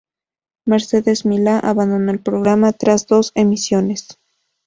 Mercedes Milá abandonó el programa tras dos emisiones.